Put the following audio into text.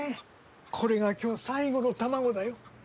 これが今日最後の卵だよ。